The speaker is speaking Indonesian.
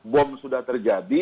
bom sudah terjadi